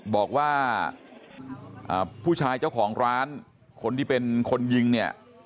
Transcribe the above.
บอกว่าผู้ชายเจ้าของร้านคนที่เป็นคนยิงเนี่ย